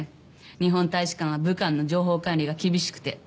日本大使館は武官の情報管理が厳しくて。